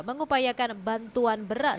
mengupayakan bantuan berat